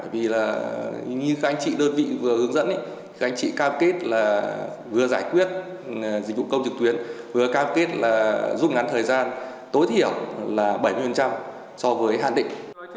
vì là như các anh chị đơn vị vừa hướng dẫn các anh chị cam kết là vừa giải quyết dịch vụ công trực tuyến vừa cam kết là giúp ngắn thời gian tối thiểu là bảy mươi so với hạn định